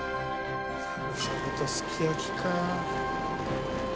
しゃぶしゃぶとすき焼きか。